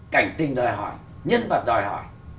cảnh tình đòi hỏi nhân vật đòi hỏi